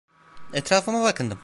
Etrafıma bakındım.